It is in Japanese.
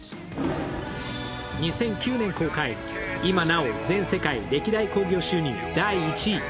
２００９年公開、今なお全世界歴代興行収入第１位。